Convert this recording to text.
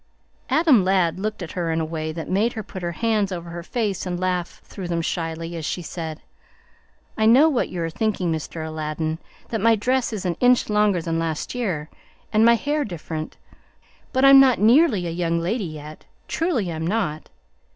Adam Ladd looked at her in a way that made her put her hands over her face and laugh through them shyly as she said: "I know what you are thinking, Mr. Aladdin, that my dress is an inch longer than last year, and my hair different; but I'm not nearly a young lady yet; truly I'm not.